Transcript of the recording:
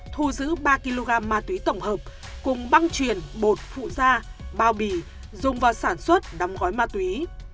thu giữ ba kg ma túy tổng hợp cùng băng truyền bột phụ da bao bì dùng vào sản xuất đóng gói ma túy